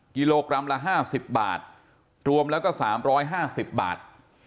กิโลกรัมละ๕๐บาทรวมแล้วก็๓๕๐บาท